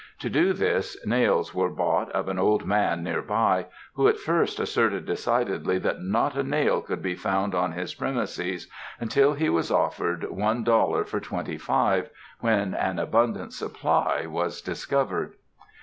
To do this, nails were bought of an old man near by, who at first asserted decidedly that not a nail could be found on his premises, until he was offered one dollar for twenty five, when an abundant supply was discovered.